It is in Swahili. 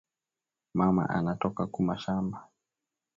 Mama ana toka ku mashamba